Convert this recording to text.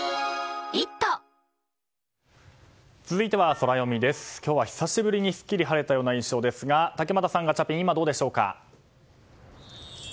続いてはソラよみ今日は久しぶりにすっきり晴れた印象ですが竹俣さん、ガチャピンはーい！